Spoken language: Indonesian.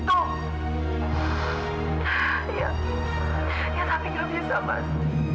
ya ya tapi gak bisa mas